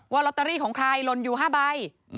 ว่าล็อตเตอรี่ของใครลนอยู่๕ใบ